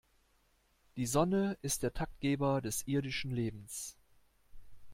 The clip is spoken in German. Die Sonne ist der Taktgeber des irdischen Lebens.